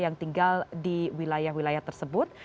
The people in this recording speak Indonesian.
yang tinggal di wilayah wilayah tersebut